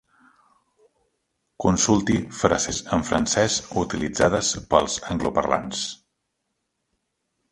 Consulti frases en francès utilitzades pels angloparlants.